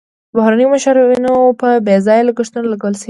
د بهرنیو مشاورینو په بې ځایه لګښتونو لګول شوي.